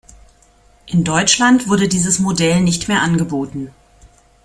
In Deutschland wurde dieses Modell nicht mehr angeboten.